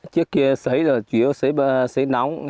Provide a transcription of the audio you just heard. trước kia xấy là chủ yếu xấy nóng